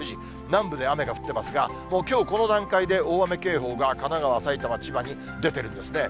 南部で雨が降ってますが、きょうこの段階で大雨警報が神奈川、埼玉、千葉に出てるんですね。